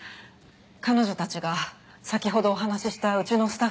彼女たちが先ほどお話ししたうちのスタッフです。